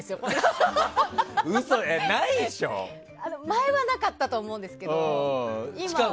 前はなかったと思うんですけど、今は。